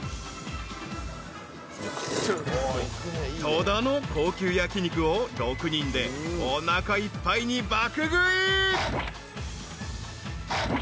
［戸田の高級焼き肉を６人でおなかいっぱいに爆食い］